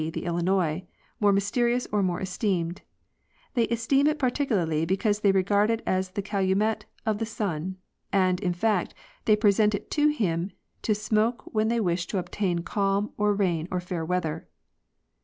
the Illinois] more mysterious or more esteemed. They esteem it particularly because they regard it as the calumet of the sun, and, in fact, they present it to him to smoke when they wish to obtain calm or rain or fair weather.